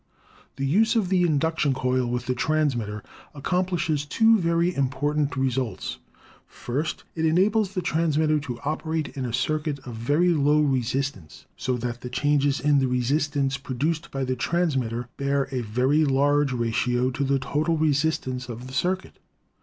The use of the induction coil with the transmitter ac complishes two very important results: First, it enables the transmitter to operate in a circuit of very low re THE TELEPHONE 277 sistance, so that the changes in the resistance produced by the transmitter bear a very large ratio to the total re sistance of the circuit.